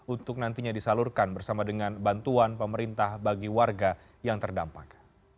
untuk nantinya disalurkan bersama dengan bantuan pemerintah bagi warga yang terdampak